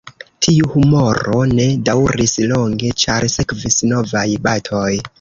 Tiu humoro ne daŭris longe, ĉar sekvis novaj batoj.